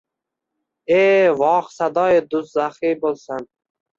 E vox sadoiy duzzaxiy bulsam